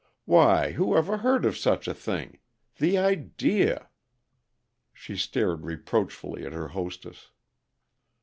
Why who ever heard of such a thing? The idea!" She stared reproachfully at her hostess.